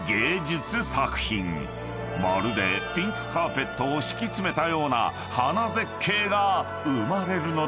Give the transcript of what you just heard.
［まるでピンクカーペットを敷き詰めたような花絶景が生まれるのだ］